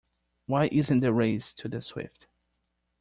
Why isn't the race to the swift?